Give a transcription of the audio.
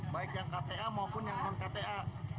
baik yang kta maupun yang non kta